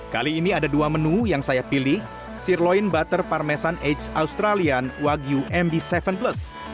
kali ini ada dua menu yang saya pilih sirloin butter parmesan age australian wagyu mb tujuh plus